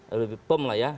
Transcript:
lebih pem lah ya